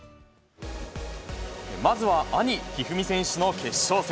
まずは兄、一二三選手の決勝戦。